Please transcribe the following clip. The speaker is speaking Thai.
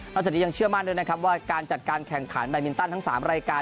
จากนี้ยังเชื่อมั่นด้วยนะครับว่าการจัดการแข่งขันแบตมินตันทั้ง๓รายการ